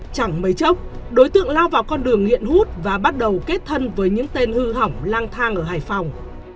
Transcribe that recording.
chẳng mấy chốc đối tượng lao vào con đường nghiện hút và bắt đầu kết thân với những tên hư hỏng lang thang ở hải phòng